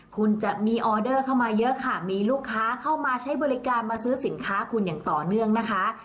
คุณจะมีออเดอร์เข้ามาเยอะค่ะมีลูกค้าเข้ามาใช้บริการมาซื้อสินค้าคุณอย่างต่อเนื่องนะคะ